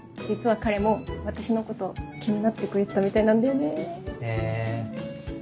実は彼も私のこと気になってくれてたみたいなんだよねぇ。